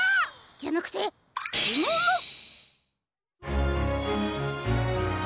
じゃなくてフムムッ！